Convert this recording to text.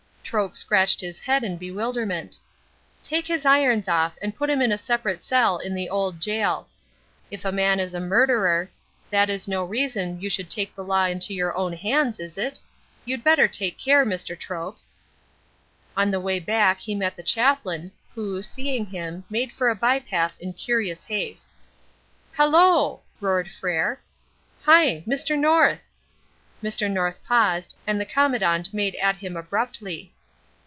Troke scratched his head in bewilderment. "Take his irons off, and put him in a separate cell in the old gaol. If a man is a murderer, that is no reason you should take the law into your own hands, is it? You'd better take care, Mr. Troke." On the way back he met the chaplain, who, seeing him, made for a by path in curious haste. "Halloo!" roared Frere. "Hi! Mr. North!" Mr. North paused, and the Commandant made at him abruptly.